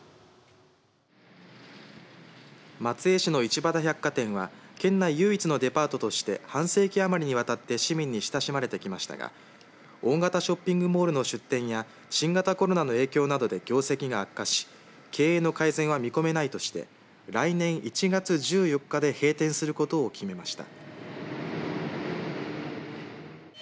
松江市の一畑百貨店は県内唯一のデパートとして半世紀余りにわたって市民に親しまれてきましたが大型ショッピングモールの出店や新型コロナの影響などで業績が悪化し経営の改善は見込めないとして来年１月１４日で閉店することを決めました。